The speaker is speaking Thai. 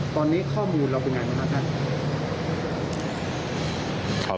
ตอนนี้ข้อมูลเราเป็นยังไงนะคะท่าน